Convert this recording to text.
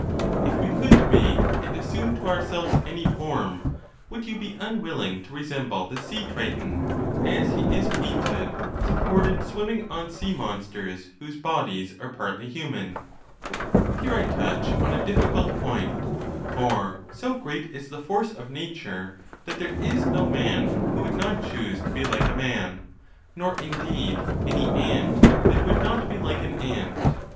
If we could malie and assume to ourselves any form, would you be unwilling to resemble the sea triton as he is painted supported swimming on sea monsters whose bodies are partly human? Hero I touch on a difi&cult point ; for so great is the force of nat ure that there is no man who would not choose to be like a man, nor, indeed, any ant that would not be like an ant.